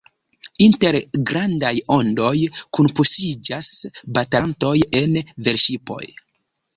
Inter grandaj ondoj kunpuŝiĝas batalantoj en velŝipoj.